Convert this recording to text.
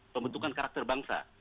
pembentukan karakter bangsa